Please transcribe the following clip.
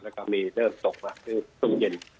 แล้วก็มีเริ่มตกแล้วช่วงเย็น